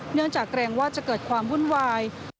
เนื่องจากเกรงว่าจะเกิดความวุ่นวาย